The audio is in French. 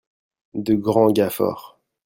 de grands gars forts.